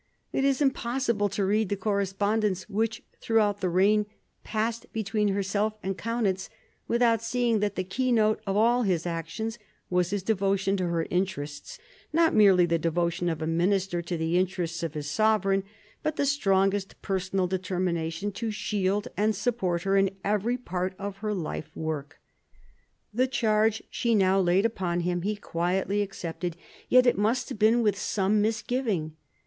It is impossible to read the correspondence which throughout the reign passed between herself and Kaunitz without seeing that the keynote of all his actions was his devotion to her interests ; not merely the devotion of a minister to the interests of his sovereign, but the strongest personal determination to shield and support her in every part of her life work. The charge she now laid upon him he quietly accepted ; yet it must have been with some misgiving.